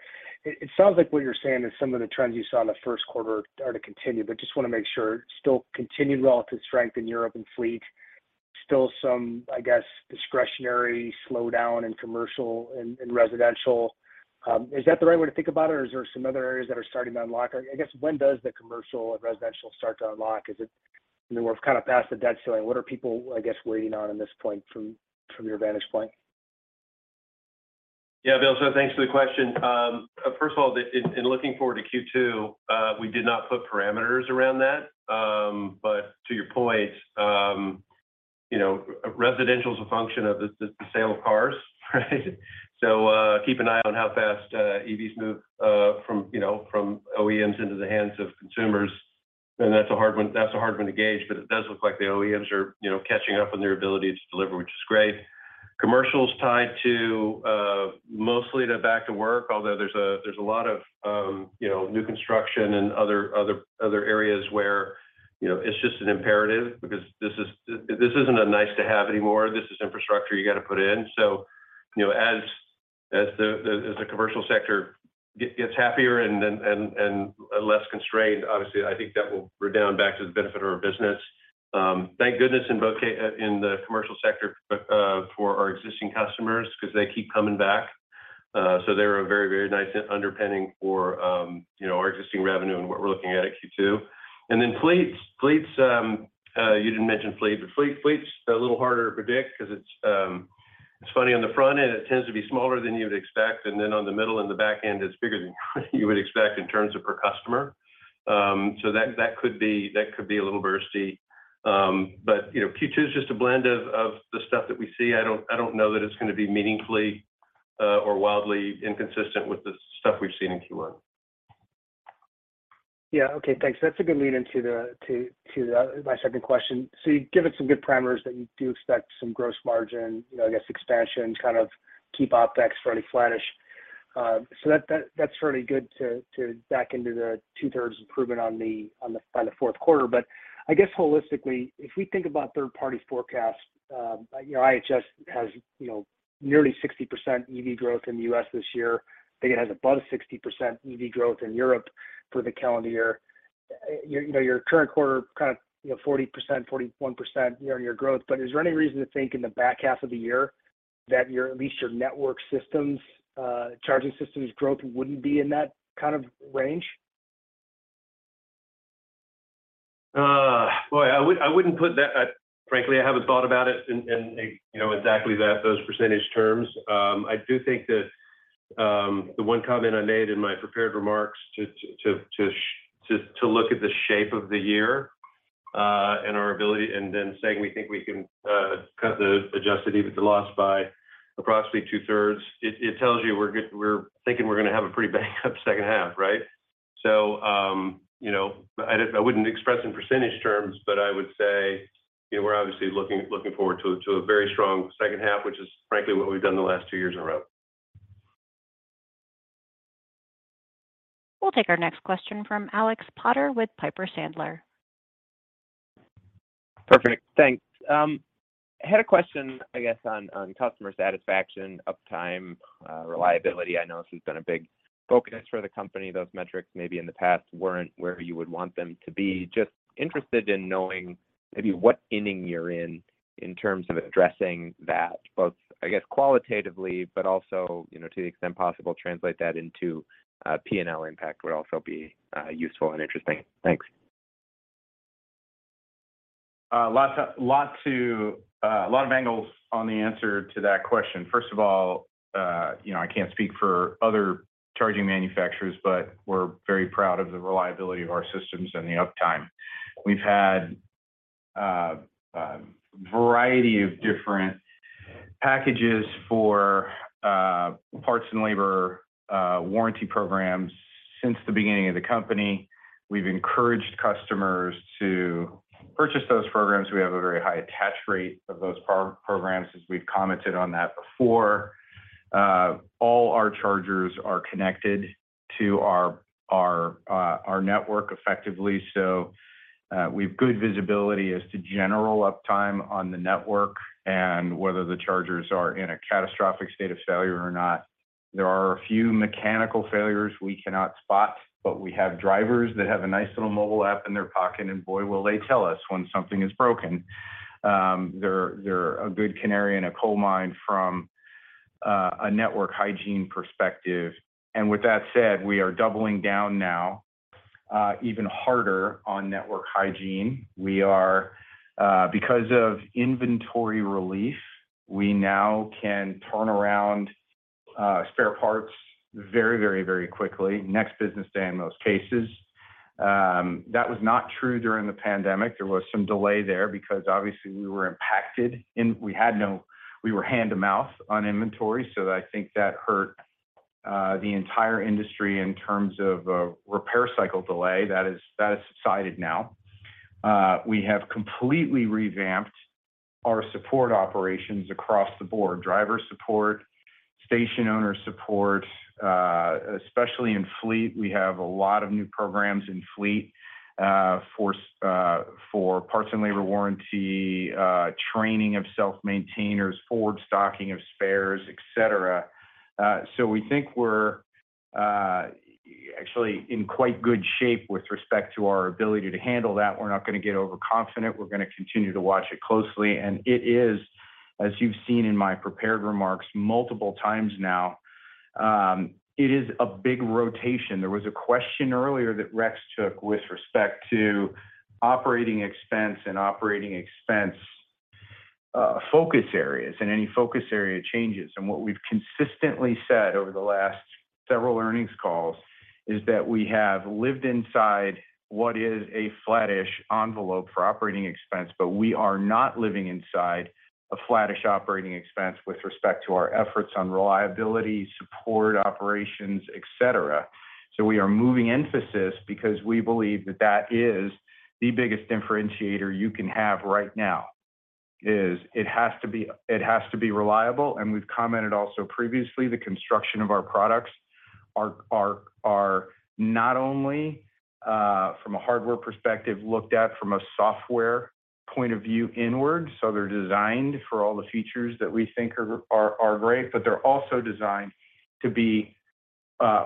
It sounds like what you're saying is some of the trends you saw in the first quarter are to continue, just want to make sure. Still continued relative strength in Europe and fleet. Still some, I guess, discretionary slowdown in commercial and residential. Is that the right way to think about it? Are there some other areas that are starting to unlock? I guess, when does the commercial and residential start to unlock? Is it, you know, we're kind of past the debt ceiling. What are people, I guess, waiting on at this point from your vantage point? Yeah, Bill, thanks for the question. First of all, looking forward to Q2, we did not put parameters around that. To your point, you know, residential is a function of the sale of cars, right? Keep an eye on how fast EVs move from, you know, from OEMs into the hands of consumers. That's a hard one, that's a hard one to gauge, but it does look like the OEMs are, you know, catching up on their ability to deliver, which is great. Commercials are tied mostly to the back to work, although there's a lot of, you know, new construction and other areas where, you know, it's just an imperative because this isn't a nice to have anymore. This is infrastructure you've got to put in. You know, as the commercial sector gets happier and less constrained, obviously, I think that will redound back to the benefit of our business. Thank goodness, in both the commercial sector, for our existing customers because they keep coming back. They're a very nice underpinning for, you know, our existing revenue and what we're looking at in Q2. Fleets. You didn't mention fleet, but fleets are a little harder to predict because it's funny on the front end, it tends to be smaller than you would expect, on the middle and the back end, it's bigger than you would expect in terms of per customer. That could be a little bursty. You know, Q2 is just a blend of the stuff that we see. I don't know that it's going to be meaningfully or wildly inconsistent with the stuff we've seen in Q1. Yeah. Okay, thanks. That's a good lead-in to, my second question. You've given some good parameters that you do expect some gross margin, you know, I guess, expansion, kind of keep OpEx fairly flatish. That's fairly good to back into the two-thirds improvement on the, by the fourth quarter. I guess holistically, if we think about third-party forecasts, you know, IHS has, you know, nearly 60% EV growth in the U.S. this year. I think it has above 60% EV growth in Europe for the calendar year. You know, your current quarter, kind of, you know, 40%, 41%, you know, in your growth. Is there any reason to think in the back half of the year that your, at least your network systems, charging systems growth wouldn't be in that kind of range? Boy, I wouldn't put that, frankly, I haven't thought about it in, you know, exactly that, those % terms. I do think that the one comment I made in my prepared remarks to look at the shape of the year, and our ability, and then saying we think we can cut the Adjusted EBITDA loss by approximately two-thirds. It tells you we're thinking we're gonna have a pretty bang up second half, right? You know, I wouldn't express in % terms, but I would say, you know, we're obviously looking forward to a, to a very strong second half, which is frankly what we've done the last two years in a row. We'll take our next question from Alex Potter with Piper Sandler. Perfect. Thanks. I had a question, I guess, on customer satisfaction, uptime, reliability. I know this has been a big focus for the company. Those metrics maybe in the past weren't where you would want them to be. Just interested in knowing maybe what inning you're in terms of addressing that, both, I guess, qualitatively, but also, you know, to the extent possible, translate that into P&L impact would also be useful and interesting. Thanks. Lots of, lot to, a lot of angles on the answer to that question. First of all, you know, I can't speak for other charging manufacturers, but we're very proud of the reliability of our systems and the uptime. We've had variety of different packages for parts and labor, warranty programs since the beginning of the company. We've encouraged customers to purchase those programs. We have a very high attach rate of those programs, as we've commented on that before. All our chargers are connected to our network effectively, so, we've good visibility as to general uptime on the network and whether the chargers are in a catastrophic state of failure or not. There are a few mechanical failures we cannot spot, but we have drivers that have a nice little mobile app in their pocket, and boy, will they tell us when something is broken. They're a good canary in a coal mine from a network hygiene perspective. With that said, we are doubling down now even harder on network hygiene. We are because of inventory relief, we now can turn around spare parts very quickly, next business day in most cases. That was not true during the pandemic. There was some delay there because obviously we were impacted and we were hand-to-mouth on inventory, so I think that hurt the entire industry in terms of repair cycle delay. That is decided now. We have completely revamped our support operations across the board: driver support, station owner support, especially in fleet. We have a lot of new programs in fleet, for parts and labor warranty, training of self-maintainers, forward stocking of spares, et cetera. We think we're actually in quite good shape with respect to our ability to handle that. We're not gonna get overconfident. We're gonna continue to watch it closely. It is, as you've seen in my prepared remarks multiple times now, it is a big rotation. There was a question earlier that Rex took with respect to operating expense focus areas and any focus area changes. What we've consistently said over the last several earnings calls is that we have lived inside what is a flattish envelope for operating expense, but we are not living inside a flattish operating expense with respect to our efforts on reliability, support, operations, et cetera. We are moving emphasis because we believe that that is the biggest differentiator you can have right now, is it has to be reliable. We've commented also previously, the construction of our products are not only from a hardware perspective, looked at from a software point of view inward, so they're designed for all the features that we think are great, but they're also designed to be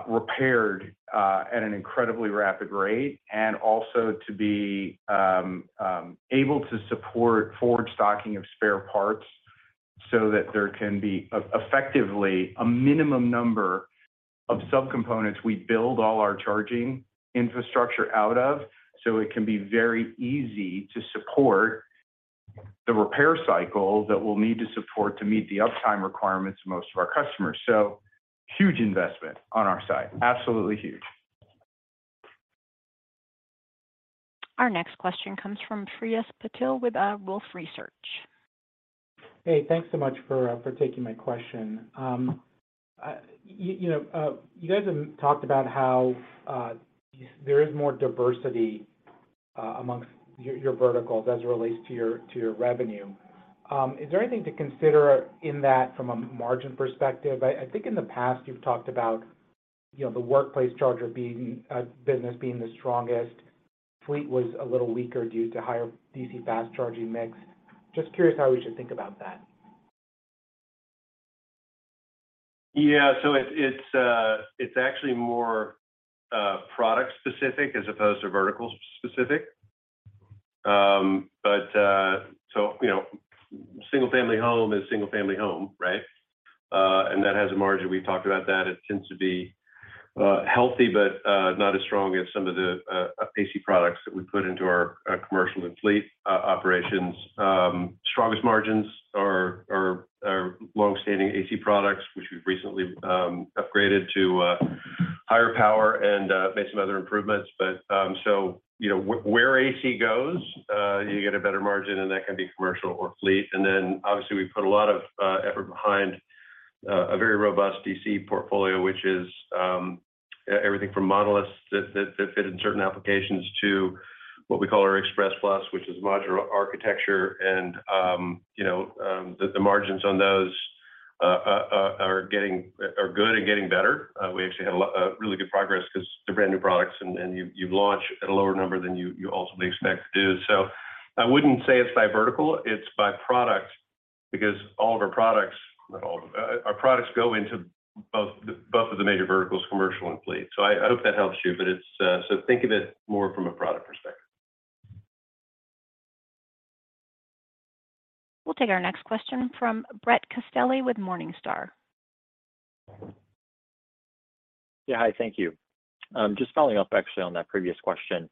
repaired at an incredibly rapid rate, and also to be able to support forward stocking of spare parts so that there can be effectively a minimum number of subcomponents we build all our charging infrastructure out of. It can be very easy to support the repair cycle that we'll need to support to meet the uptime requirements of most of our customers. Huge investment on our side, absolutely huge. Our next question comes from Shreyas Patil with Wolfe Research. Hey, thanks so much for taking my question. You know, you guys have talked about how there is more diversity amongst your verticals as it relates to your, to your revenue. Is there anything to consider in that from a margin perspective? I think in the past you've talked about, you know, the workplace charger being business being the strongest. Fleet was a little weaker due to a higher DC fast charging mix. Just curious how we should think about that. Yeah. It's actually more product specific as opposed to vertical specific. You know, single-family home is single-family home, right? That has a margin. We've talked about that. It tends to be healthy, but not as strong as some of the AC products that we put into our commercial and fleet operations. Strongest margins are long-standing AC products, which we've recently upgraded to higher power and made some other improvements. You know, where AC goes, you get a better margin, and that can be commercial or fleet. Obviously, we've put a lot of effort behind a very robust DC portfolio, which is everything from Model S that, that fit in certain applications to what we call our Express Plus, which is modular architecture. You know, the margins on those are good and getting better. We actually had a really good progress 'cause they're brand new products, and you launch at a lower number than you ultimately expect to do. I wouldn't say it's by vertical, it's by product, because all of our products not all of them, our products go into both the, both of the major verticals, commercial and fleet. I hope that helps you, but it's. Think of it more from a product perspective. We'll take our next question from Brett Castelli with Morningstar. Yeah, hi. Thank you. Just following up actually on that previous question.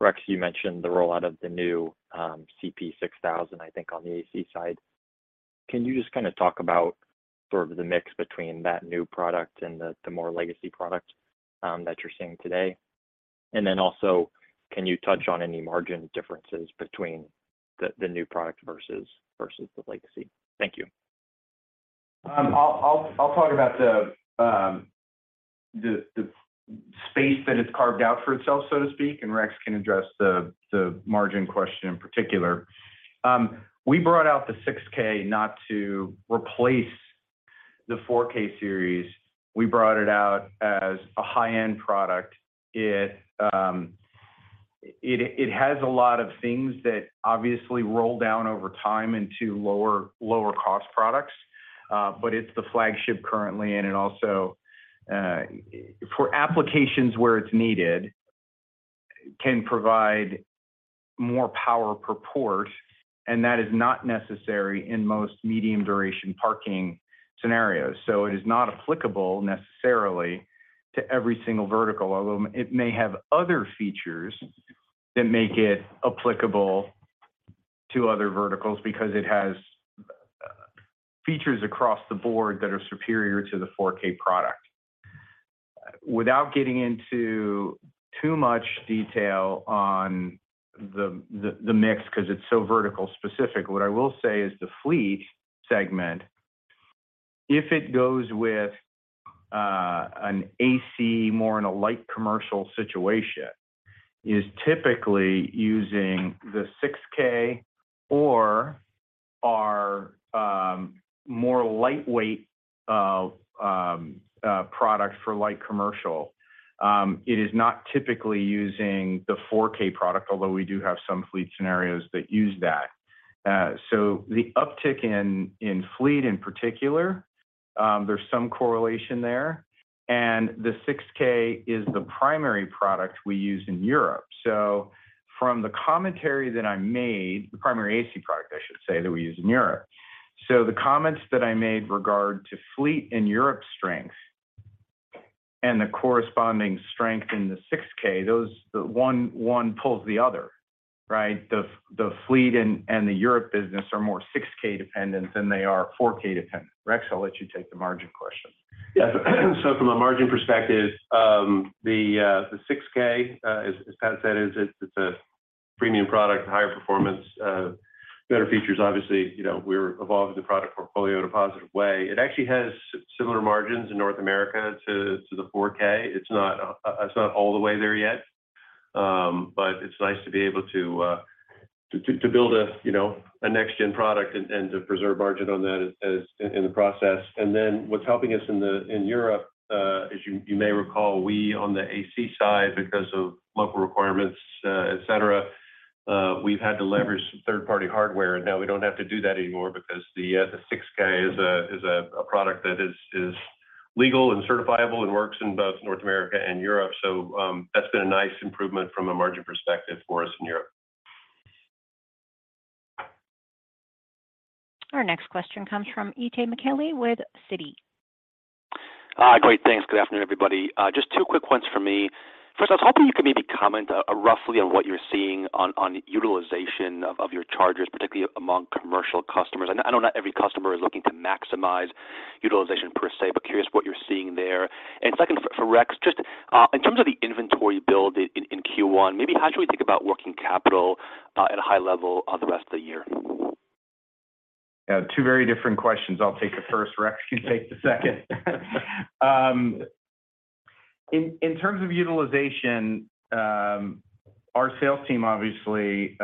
Rex, you mentioned the rollout of the new CP6000, I think, on the AC side. Can you just kind of talk about sort of the mix between that new product and the more legacy product that you're seeing today? Also, can you touch on any margin differences between the new product versus the legacy? Thank you. I'll talk about the space that it's carved out for itself, so to speak, and Rex can address the margin question in particular. We brought out the 6K not to replace the 4K series. We brought it out as a high-end product. It has a lot of things that obviously roll down over time into lower cost products, but it's the flagship currently, and it also, for applications where it's needed, can provide more power per port, and that is not necessary in most medium duration parking scenarios. It is not applicable necessarily to every single vertical, although it may have other features that make it applicable to other verticals, because it has features across the board that are superior to the 4K product. Without getting into too much detail on the mix, 'cause it's so vertical specific, what I will say is the fleet segment, if it goes with an AC, more in a light commercial situation, is typically using the 6K or our more lightweight product for light commercial. It is not typically using the 4K product, although we do have some fleet scenarios that use that. The uptick in fleet in particular, there's some correlation there, and the 6K is the primary product we use in Europe. From the commentary that I made, the primary AC product, I should say, that we use in Europe. The comments that I made regard to fleet in Europe's strength and the corresponding strength in the 6K, those, the one pulls the other, right? The fleet and the Europe business are more 6K dependent than they are 4K dependent. Rex, I'll let you take the margin question. Yeah. From a margin perspective, the 6K, as Pas said, it's a premium product, higher performance, better features. Obviously, you know, we're evolving the product portfolio in a positive way. It actually has similar margins in North America to the 4K. It's not all the way there yet, but it's nice to be able to build a, you know, a next gen product and to preserve margin on that as in the process. What's helping us in Europe, as you may recall, we, on the AC side, because of local requirements, et cetera, we've had to leverage third-party hardware, and now we don't have to do that anymore because the 6K is a product that is legal and certifiable and works in both North America and Europe. That's been a nice improvement from a margin perspective for us in Europe. Our next question comes from Itay Michaeli with Citi. Great, thanks. Good afternoon, everybody. Just two quick ones for me. First, I was hoping you could maybe comment, roughly on what you're seeing on utilization of your chargers, particularly among commercial customers. I know not every customer is looking to maximize utilization per se, but curious what you're seeing there. Second, for Rex, just, in terms of the inventory build in Q1, maybe how should we think about working capital, at a high level on the rest of the year? Yeah, two very different questions. I'll take the first, Rex, you take the second. In, in terms of utilization, our sales team obviously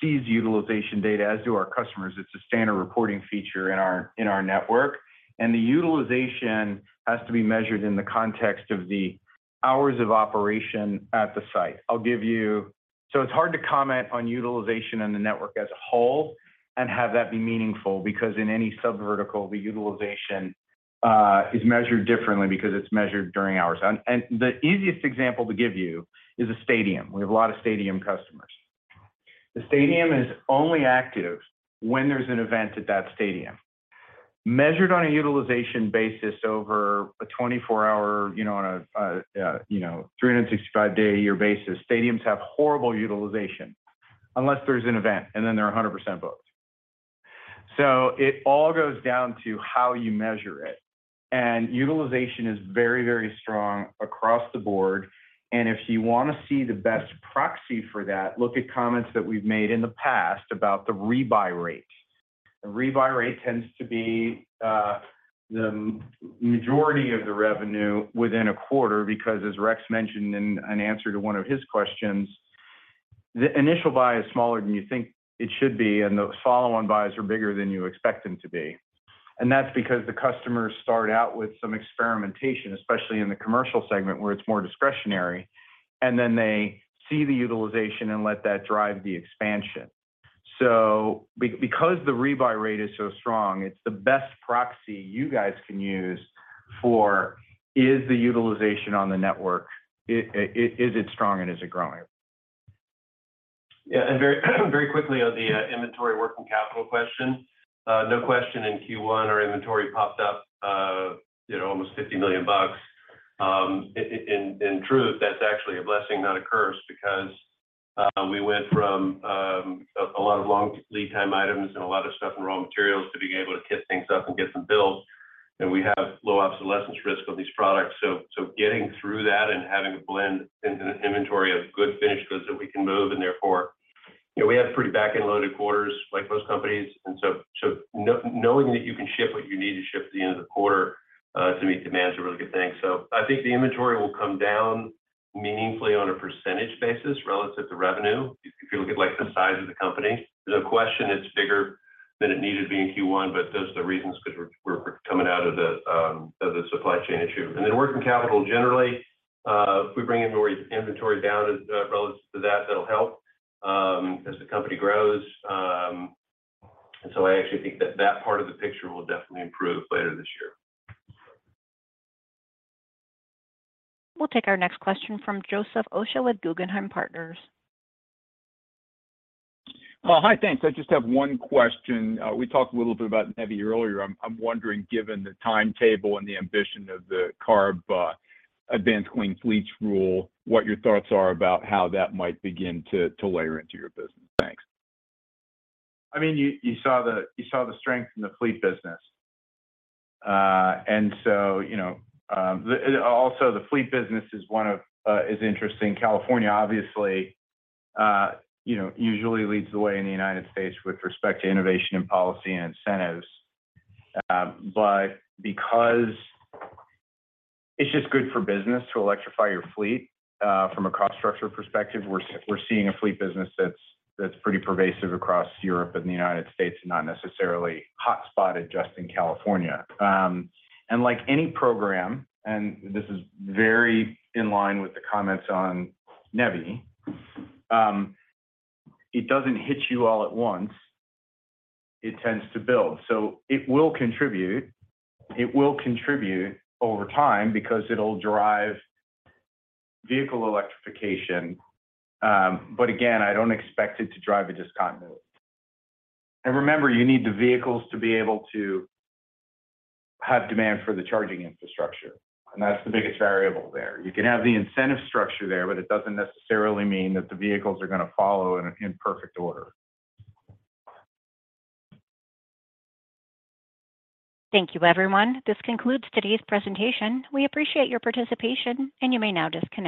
sees utilization data, as do our customers. It's a standard reporting feature in our, in our network, and the utilization has to be measured in the context of the hours of operation at the site. So it's hard to comment on utilization in the network as a whole and have that be meaningful, because in any subvertical, the utilization is measured differently, because it's measured during hours. The easiest example to give you is a stadium. We have a lot of stadium customers. The stadium is only active when there's an event at that stadium. Measured on a utilization basis over a 24-hour, you know, on a, you know, 365-day a year basis, stadiums have horrible utilization unless there's an event, and then they're 100% booked. It all goes down to how you measure it, and utilization is very, very strong across the board. If you want to see the best proxy for that, look at the comments that we've made in the past about the rebuy rate. The rebuy rate tends to be the majority of the revenue within a quarter, because, as Rex mentioned in an answer to one of his questions, the initial buy is smaller than you think it should be, and the follow-on buys are bigger than you expect them to be. That's because the customers start out with some experimentation, especially in the commercial segment, where it's more discretionary, and then they see the utilization and let that drive the expansion. Because the rebuy rate is so strong, it's the best proxy you guys can use for, is the utilization on the network: is it strong, and is it growing? Yeah, very, very quickly on the inventory working capital question. No question, in Q1, our inventory popped up, you know, almost $50 million. In truth, that's actually a blessing, not a curse, because we went from a lot of long lead time items and a lot of stuff in raw materials to being able to kit things up and get them built. We have low obsolescence risk on these products, so getting through that and having a blend in an inventory of good finished goods that we can move, therefore, you know, we have pretty back-end loaded quarters like most companies. Knowing that you can ship what you need to ship at the end of the quarter to meet demand is a really good thing. I think the inventory will come down meaningfully on a percentage basis relative to revenue. If you look at the size of the company, the question is bigger than it needed to be in Q1, but those are the reasons, because we're coming out of the supply chain issue. Working capital, generally, if we bring inventory down as a relative to that'll help as the company grows. I actually think that part of the picture will definitely improve later this year. We'll take our next question from Joseph Osha with Guggenheim Partners. Well, hi, thanks. I just have one question. We talked a little bit about NEVI earlier. I'm wondering, given the timetable and the ambition of the CARB Advanced Clean Fleets rule, what your thoughts are about how that might begin to layer into your business? Thanks. I mean, you saw the strength in the fleet business. You know, also, the fleet business is one of the interesting. California, obviously, you know, usually leads the way in the United States with respect to innovation and policy and incentives. Because it's just good for business to electrify your fleet, from a cost structure perspective, we're seeing a fleet business that's pretty pervasive across Europe and the United States, not necessarily hotspotted just in California. Like any program, and this is very in line with the comments on NEVI, it doesn't hit you all at once. It tends to build. It will contribute. It will contribute over time because it'll drive vehicle electrification. Again, I don't expect it to drive a discontinuity. Remember, you need the vehicles to be able to have demand for the charging infrastructure, and that's the biggest variable there. You can have the incentive structure there, but it doesn't necessarily mean that the vehicles are going to follow in perfect order. Thank you, everyone. This concludes today's presentation. We appreciate your participation. You may now disconnect.